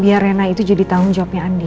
biar rena itu jadi tanggung jawabnya andi